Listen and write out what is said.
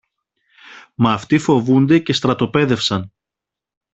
Μα αυτοί φοβούνται και στρατοπέδευσαν.